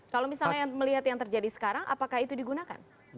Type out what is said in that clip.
kalau misalnya melihat yang terjadi sekarang apakah itu digunakan